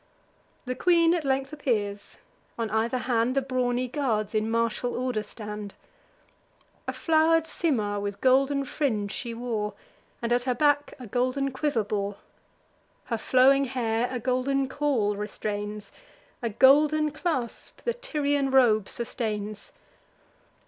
The queen at length appears; on either hand The brawny guards in martial order stand. A flow'r'd simar with golden fringe she wore, And at her back a golden quiver bore; Her flowing hair a golden caul restrains, A golden clasp the Tyrian robe sustains.